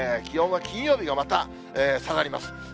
気温は金曜日がまた下がります。